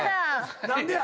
何でや？